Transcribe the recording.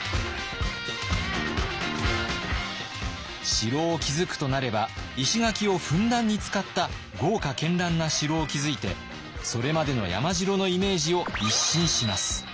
城を築くとなれば石垣をふんだんに使った豪華絢爛な城を築いてそれまでの山城のイメージを一新します。